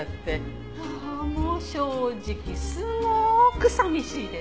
もう正直すごく寂しいです。